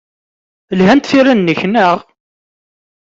Lhant tira-nnek, naɣ?